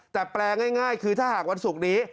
แต่แปลง่ายคือถ้าหากวันศุกร์นี้